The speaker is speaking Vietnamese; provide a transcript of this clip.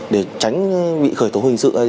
để tránh bị khởi tố hình sự